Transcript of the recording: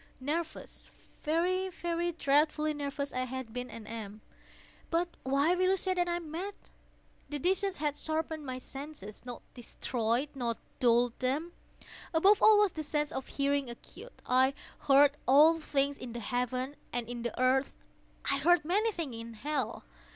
—nervous—very, very dreadfully nervous I had been and am; but why will you say that I am mad? The disease had sharpened my senses—not destroyed—not dulled them. Above all was the sense of hearing acute. I heard all things in the heaven and in the earth. I heard many things in hell.